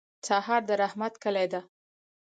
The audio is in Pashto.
سهار د رحمت کلي ده.